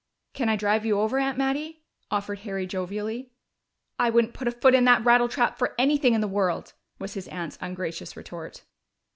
"Can I drive you over, Aunt Mattie?" offered Harry jovially. "I wouldn't put a foot in that rattletrap for anything in the world!" was his aunt's ungracious retort.